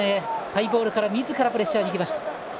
ハイボールから自らプレッシャーに行きました。